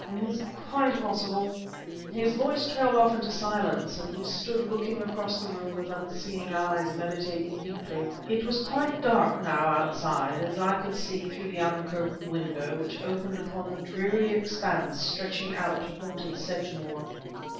It is quite possible..." His voice trailed off into silence, and he stood looking across the room with unseeing eyes, meditating deeply. It was quite dark now outside, as I could see through the uncurtained window, which opened upon the dreary expanse stretching out to haunted Sedgemoor.